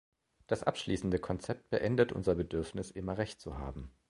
Das abschließende Konzept beendet unser Bedürfnis, immer Recht zu haben.